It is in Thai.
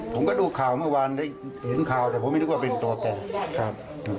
ผมก็ดูข่าวเมื่อวานได้เห็นข่าวแต่ผมไม่นึกว่าเป็นตัวแตกครับ